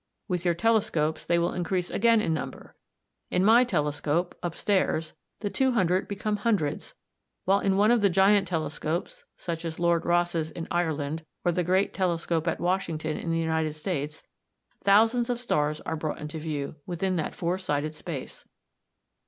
With your telescopes they will increase again in number. In my telescope upstairs the two hundred become hundreds, while in one of the giant telescopes, such as Lord Rosse's in Ireland, or the great telescope at Washington in the United States, thousands of stars are brought into view within that four sided space!